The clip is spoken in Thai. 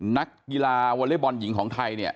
นักกีฬาวอเล็กบอลหญิงของไทยเนี่ย